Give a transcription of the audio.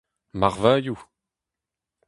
Marvailhoù !